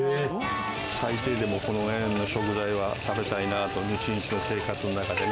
最低でもこの辺の食材は食べたいなぁという、一日の生活の中で。